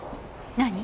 何？